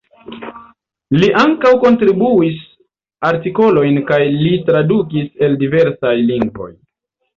Li ankaŭ kontribuis artikolojn kaj li tradukis el diversaj lingvoj.